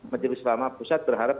majelis selama pusat berharap